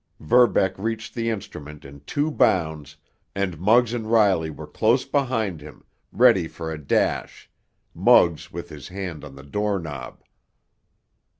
Verbeck reached the instrument in two bounds, and Muggs and Riley were close behind him, ready for a dash, Muggs with his hand on the doorknob.